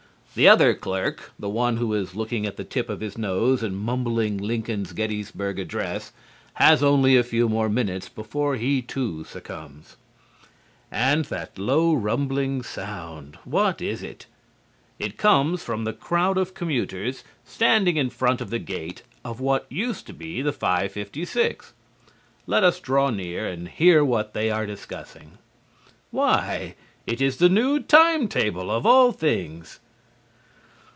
The other clerk, the one who is looking at the tip of his nose and mumbling Lincoln's Gettysburg Address, has only a few more minutes before he too succumbs. And that low, rumbling sound, what is that? It comes from the crowd of commuters standing in front of the gate of what used to be the 5:56. Let us draw near and hear what they are discussing. Why, it is the new time table, of all things!